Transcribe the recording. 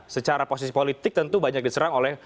secara posisi politik tentu banyak diserang oleh